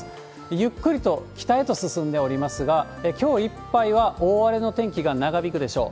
ゆっくりと北へと進んでおりますが、きょういっぱいは大荒れの天気が長引くでしょう。